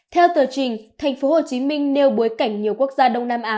theo tờ trình tp hcm nêu bối cảnh nhiều quốc gia đông nam á